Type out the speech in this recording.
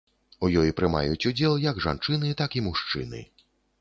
У ёй прымаюць удзел як жанчыны, так і мужчыны.